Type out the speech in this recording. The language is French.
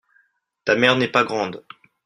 ta mère n'est pas grande.